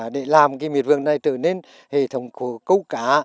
để làm cái miệt vườn này trở nên hệ thống của câu cá